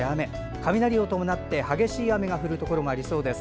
雷を伴って激しい雨が降るところもありそうです。